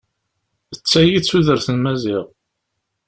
D tayi i tudert n Maziɣ.